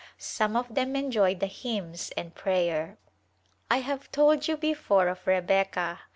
Some of them enjoy the hymns and prayer. I have told you before of Rebecca.